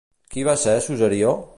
Qui va ser Susarió?